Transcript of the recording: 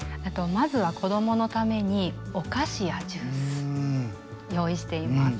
まずは子供のためにお菓子やジュース用意しています。